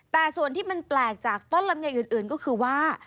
แต่ส่วนที่มันแปลกจากต้นลำไยอื่นก็คือว่า